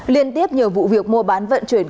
liên tiếp nhiều vụ việc mua bán vận chuyển